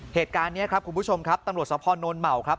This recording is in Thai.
เหตุการณ์นี้ครับคุณผู้ชมครับตำรวจสภโนนเหมาครับ